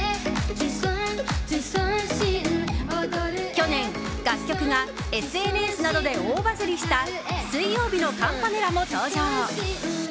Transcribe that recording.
去年、楽曲がＳＮＳなどで大バズりした水曜日のカンパネラも登場。